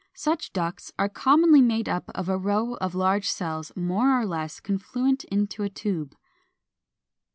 Such ducts are commonly made up of a row of large cells more or less confluent into a tube.